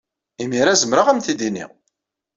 Imir-a, zemreɣ ad am-t-id-iniɣ.